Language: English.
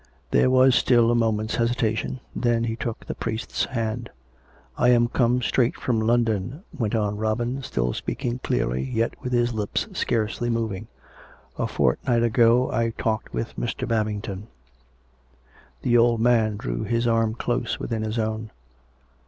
There was still a moment's hesitation. Then he took the priest's hand. " I am come straight from London," went on Robin, still speaking clearly, yet with his lips scarcely moving. " A fortnight ago I talked with ^Ir. Babington." The old man drew his arm close within his own.